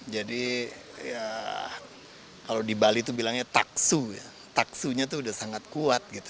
jadi kalau di bali itu bilangnya taksu taksunya itu sudah sangat kuat